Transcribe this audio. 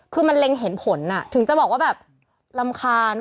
คือมันเล็งเห็นผลถึงจะบอกว่าแบบรำคาญ